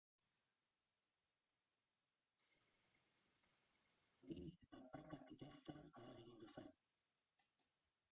Zirriak egin zizkion adingabe bati eta prakak jaisten ahalegindu zen.